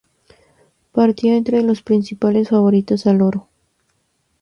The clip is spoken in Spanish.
Partía entre los principales favoritos al oro.